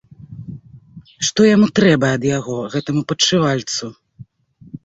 Што яму трэба ад яго, гэтаму падшывальцу?